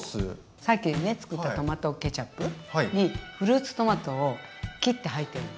さっきねつくったトマトケチャップにフルーツトマトを切って入ってるの。